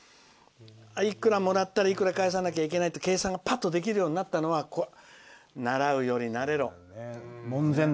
いくらもらったら、いくら返さなきゃいけないっていう計算がぱっとできるようになったのは習うより慣れろ。